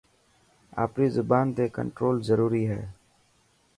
آپري زبان تي ڪنٽرول ضروري هي.